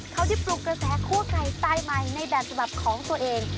เขาที่ปลูกกระแสคั่วไก่ใต้ใหม่ในแบบสมบัติของตัวเอง